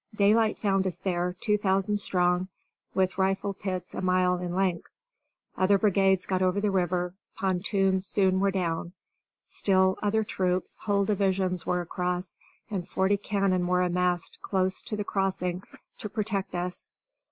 Daylight found us there, two thousand strong, with rifle pits a mile in length. Other brigades got over the river, pontoons soon were down; still other troops, whole divisions, were across, and forty cannon were massed close to the crossing to protect us.